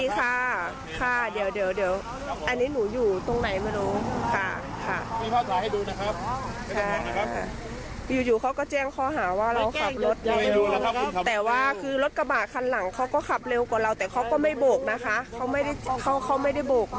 เขาไม่ได้บุกนะคะเขาไม่ได้บุกไม่ได้อะไร